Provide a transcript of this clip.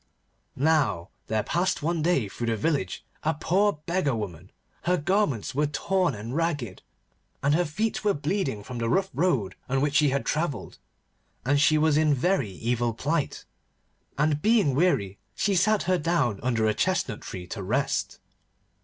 Now there passed one day through the village a poor beggar woman. Her garments were torn and ragged, and her feet were bleeding from the rough road on which she had travelled, and she was in very evil plight. And being weary she sat her down under a chestnut tree to rest.